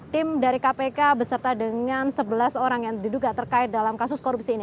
tim dari kpk beserta dengan sebelas orang yang diduga terkait dalam kasus korupsi ini